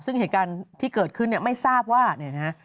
ซึ่งเหตุการณ์ที่เกิดขึ้นเนี่ยไม่ทราบว่าเนี่ยนะฮะ